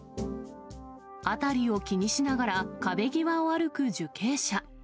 辺りを気にしながら、壁際を歩く受刑者。